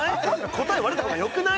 答え割れた方がよくない？